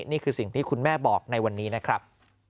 นี่คือสิ่งที่คุณแม่บอกในวันนี้นะครับ